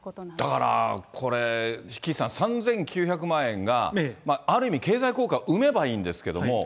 だから、岸さん、３９００万円が、ある意味、経済効果生めばいいんですけども。